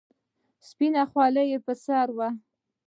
سپينه خولۍ يې پر سر وه.